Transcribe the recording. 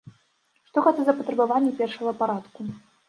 Што гэта за патрабаванні першага парадку?